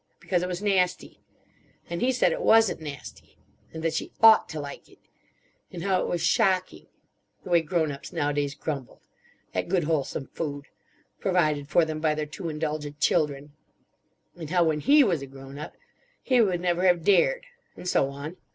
Because it was nasty. And he said it wasn't nasty. And that she ought to like it. And how it was shocking. The way grown ups nowadays grumbled. At good wholesome food. Provided for them by their too indulgent children. And how when he was a grown up. He would never have dared. And so on.